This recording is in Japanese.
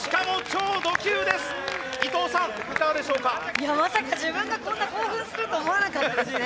いやまさか自分がこんな興奮すると思わなかったですね。